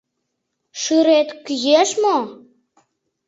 Шӱрет кӱэш мо?